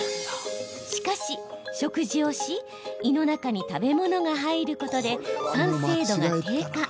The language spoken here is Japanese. しかし、食事をし胃の中に食べ物が入ることで酸性度が低下。